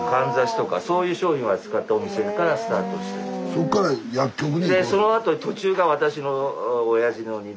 そっから薬局に？